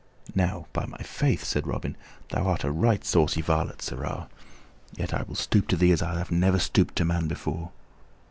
"Now by my faith," said Robin, "thou art a right saucy varlet, sirrah; yet I will stoop to thee as I never stooped to man before.